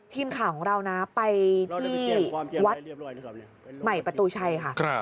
ทีมข่าวของเรานะไปที่วัดใหม่ประตูชัยค่ะ